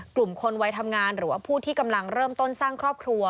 กลุ่มคนวัยทำงานหรือว่าผู้ที่กำลังเริ่มต้นสร้างครอบครัว